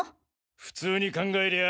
普通に考えりゃ